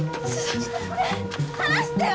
放してよ！